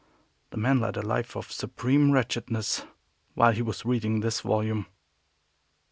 The man led a life of supreme wretchedness while he was reading this volume.